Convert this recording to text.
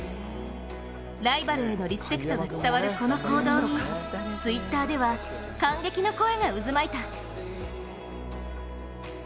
ライバルへのリスペクトが伝わるこの行動に、Ｔｗｉｔｔｅｒでは感激の声が渦巻いた。